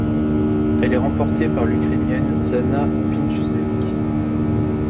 Elle est remportée par l'Ukrainienne Zhanna Pintusevich.